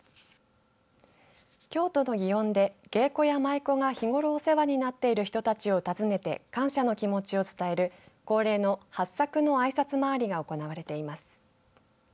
京都の祇園で芸妓や舞妓が日頃お世話になっている人たちを訪ねて感謝の気持ちを伝える恒例の八朔のあいさつ回りが行われています。